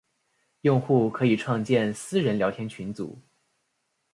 用户可以创建私人聊天群组。